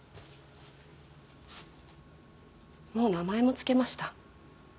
もう名前も付けました。